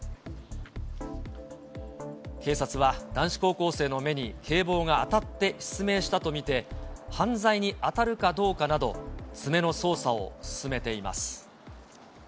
警察は男子高校生の目に警棒が当たって失明したと見て、犯罪に当たるかどうかなど、詰めの捜査を進めています。